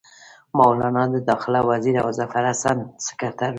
مولنا د داخله وزیر او ظفرحسن سکرټر وو.